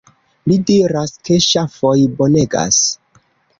Li diras ke ŝafoj bonegas.